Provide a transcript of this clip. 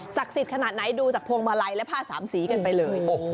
สิทธิ์ขนาดไหนดูจากพวงมาลัยและผ้าสามสีกันไปเลย